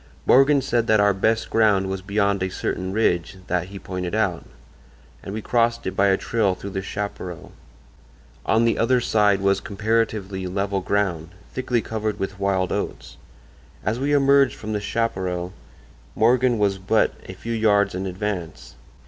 Morgan said that our best ground was beyond a certain ridge that he pointed out, and we crossed it by a trail through the chaparral. On the other side was comparatively level ground, thickly covered with wild oats. As we emerged from the chaparral Morgan was but a few yards in advance.